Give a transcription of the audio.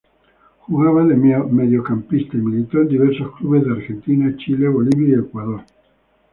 Jugaba de mediocampista y militó en diversos clubes de Argentina, Chile, Bolivia y Ecuador.